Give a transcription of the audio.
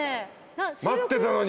待ってたのに。